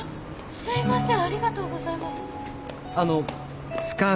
すいません。